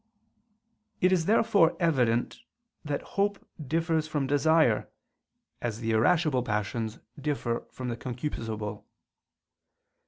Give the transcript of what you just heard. It is therefore evident that hope differs from desire, as the irascible passions differ from the concupiscible.